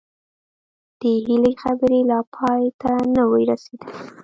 د هيلې خبرې لا پای ته نه وې رسېدلې